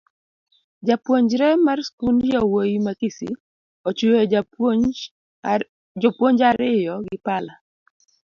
Japuonjre mar skund yawuoyi ma kisii ochuyo jopuonj ariyo gi pala